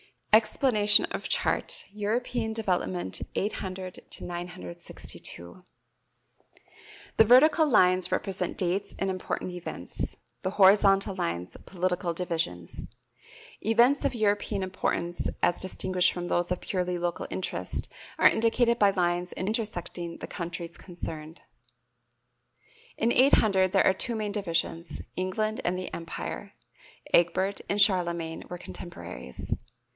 [Illustration: EXPLANATION OF CHART: EUROPEAN DEVELOPMENT, 800 TO 962. The vertical lines represent dates and important events; the horizontal lines, political divisions. Events of European importance as distinguished from those of purely local interest are indicated by lines intersecting the countries concerned. In 800 there are two main divisions, England and the Empire. (Egbert and Charlemagne were contemporaries.)